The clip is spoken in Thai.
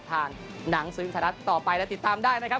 ทางหนังสวิรุณศาสตร์ต่อไปและติดตามได้นะครับ